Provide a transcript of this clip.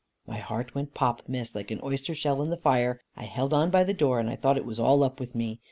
My heart went pop, Miss, like an oyster shell in the fire. I held on by the door, and I thought it was all up with me.